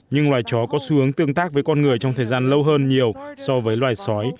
nhưng loài chó có xu hướng tương tác với con người trong thời gian lâu hơn nhiều so với loài sói